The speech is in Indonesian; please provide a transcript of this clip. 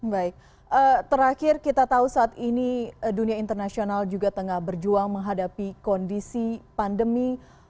baik terakhir kita tahu saat ini dunia internasional juga tengah berjuang menghadapi kondisi pandemi